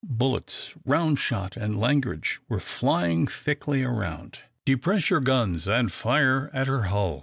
Bullets, round shot, and langrage were flying thickly around. "Depress your guns and fire at her hull!"